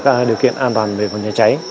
các điều kiện an toàn về phần nhà cháy